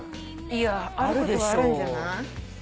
いやあることはあるんじゃない？